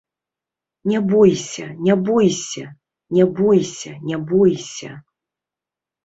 Не бойся, не бойся, не бойся, не бойся.